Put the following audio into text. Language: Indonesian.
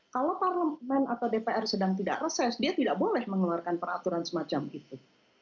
kalau parlemen atau dpr sedang tidak reses dia tidak boleh mengeluarkan peraturan semacam itu